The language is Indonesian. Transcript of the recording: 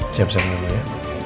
siap sembang dulu ya